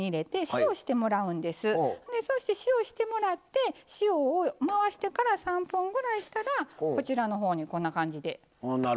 そして塩してもらって塩を回してから３分ぐらいしたらこちらの方にこんな感じで水分が。